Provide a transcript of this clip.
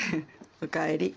おかえり。